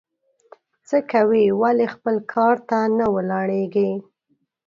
څه کوې ؟ ولي خپل کار ته نه ولاړېږې؟